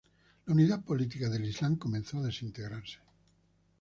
La unidad política del islam comenzó a desintegrarse.